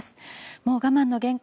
もう我慢の限界。